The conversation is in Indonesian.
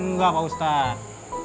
nggak pak ustadz